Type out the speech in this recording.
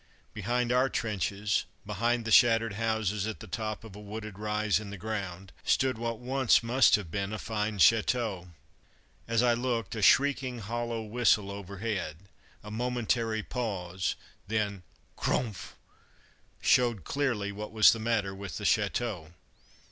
Behind our trenches, behind the shattered houses at the top of a wooded rise in the ground, stood what once must have been a fine chateau. As I looked, a shrieking hollow whistle overhead, a momentary pause, then "Crumph!" showed clearly what was the matter with the chateau.